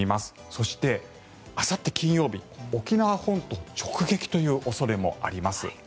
そして、あさって金曜日沖縄本島直撃という恐れもあります。